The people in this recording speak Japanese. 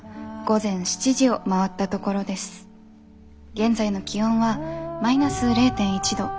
現在の気温はマイナス０．１度。